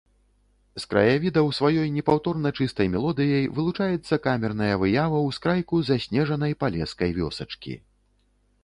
З краявідаў сваёй непаўторна-чыстай мелодыяй вылучаецца камерная выява ўскрайку заснежанай палескай вёсачкі.